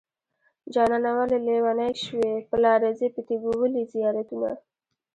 جانانه ولې لېونی شوې په لاره ځې په تيګو ولې زيارتونه